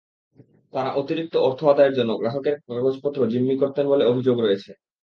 তাঁরা অতিরিক্ত অর্থ আদায়ের জন্য গ্রাহকের কাগজপত্র জিম্মি করতেন বলে অভিযোগ রয়েছে।